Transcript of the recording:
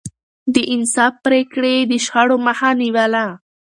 د انصاف پرېکړې يې د شخړو مخه نيوله.